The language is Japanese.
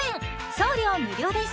送料無料です